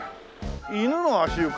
犬の足湯か。